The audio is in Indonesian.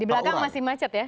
di belakang masih macet ya